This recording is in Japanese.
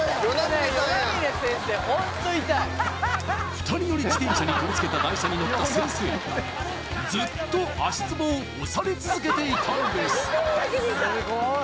二人乗り自転車に取りつけた台車に乗った先生ずっと足ツボを押され続けていたんです